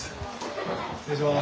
失礼します。